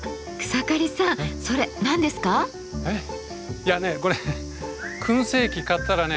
いやねこれ燻製器買ったらね